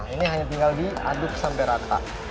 ini hanya tinggal diaduk sampai rata